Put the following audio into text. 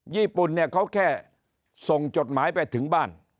ญี่ปุ่นเนี่ยเขาแค่ส่งจดหมายไปถึงบ้าน